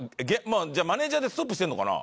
じゃあマネジャーでストップしてるのかな？